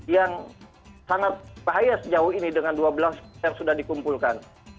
yang sangat bahaya sejauh ini dengan dua belas yang sudah dikumpulkan